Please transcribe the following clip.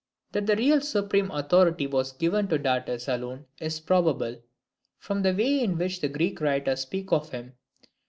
That the real supreme authority was given to Datis alone is probable, from the way in which the Greek writers speak of him.